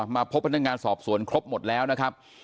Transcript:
มาพบพนักงานสอบสวนครบหมดแล้วนะครับ